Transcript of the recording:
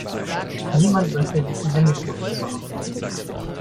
Niemand möchte sich die Hände schmutzig machen.